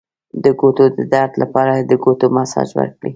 د ګوتو د درد لپاره د ګوتو مساج وکړئ